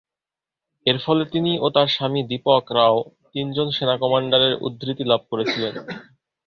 এর ফলে তিনি ও তার স্বামী দীপক রাও তিন জন সেনা কমান্ডারের উদ্ধৃতি লাভ করেছেন।